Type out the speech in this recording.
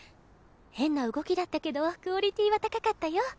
変な動きだったけどクオリティーは高かったよ。